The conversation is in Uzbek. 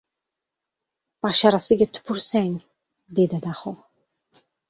— Basharasiga tupursang! — dedi Daho.